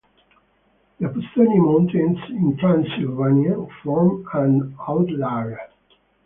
The Apuseni Mountains in Transylvania form an outlier.